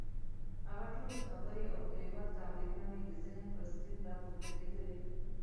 هغه ټولې خبرې او کلیوال تعبیرونه مې د ذهن پر سکرین راپورته کېدلې.